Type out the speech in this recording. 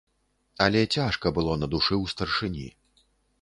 Але цяжка было на душы ў старшыні.